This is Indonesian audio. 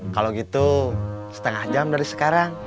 kalau gitu setengah jam dari sekarang